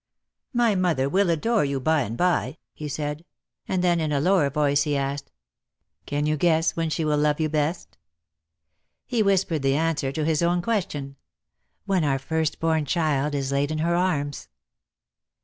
"My mother v/ill adore you by and by," he said, and then in a lower voice he asked: "Can you guess when she will love you best?" He whispered the answer to his own question. "When our first born child is laid in her arms."